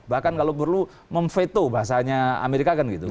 jadi itu perlu memveto bahasanya amerika kan gitu